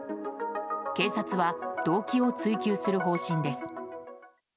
警察は、動機を追及する方針です。